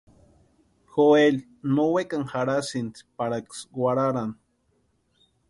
Joeli no wekani jarhasïnti paraksï warharani.